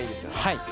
はい。